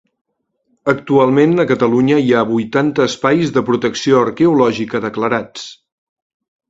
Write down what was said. Actualment a Catalunya hi ha vuitanta Espais de Protecció Arqueològica declarats.